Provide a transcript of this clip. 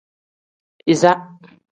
Iza.